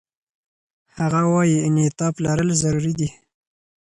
هغه وايي، انعطاف لرل ضروري دي.